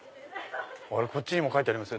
こっちにも書いてありますよ